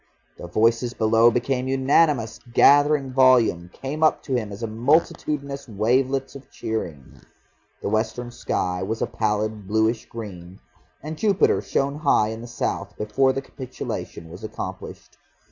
The voices below became unanimous, gathered volume, came up to him as multitudinous wavelets of cheering. The western sky was a pallid bluish green, and Jupiter shone high in the south, before the capitulation was accomplished.